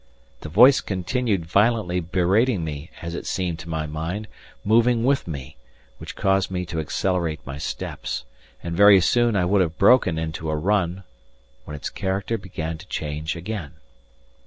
The voice continued violently rating me, as it seemed to my mind, moving with me, which caused me to accelerate my steps; and very soon I would have broken into a run, when its character began to change again.